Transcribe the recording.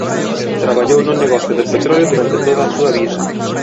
Traballou no negocio do petróleo durante toda a súa vida.